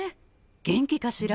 元気かしら。